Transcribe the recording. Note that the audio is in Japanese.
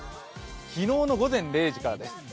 昨日の午前０時からです。